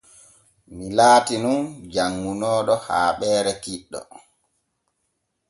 Mii laatin nun janŋunooɗo haaɓeere kiɗɗo.